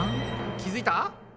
気付いた？